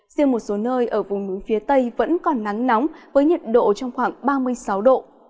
riêng một số nơi ở vùng núi phía tây vẫn còn nắng nóng với nhiệt độ trong khoảng ba mươi sáu độ